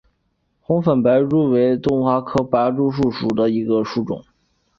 红粉白珠为杜鹃花科白珠树属的植物。